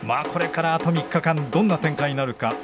これからあと３日間どんな展開になるか。